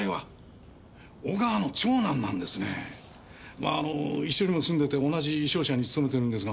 まああの一緒にも住んでて同じ商社に勤めてるんですが。